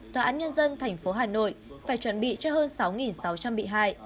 tòa án nhân dân tp hà nội phải chuẩn bị cho hơn sáu sáu trăm linh bị hại